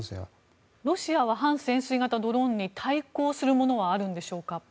ロシアは半潜水型ドローンに対抗するものはあるんでしょうか？